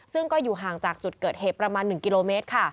ซึ่งก็อยู่ห่างจากจุดเกิดเหตุประมาณ๑กิโลเมตรค่ะ